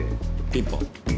ピンポン。